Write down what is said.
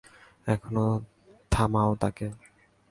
এখনই থামাও তাকে।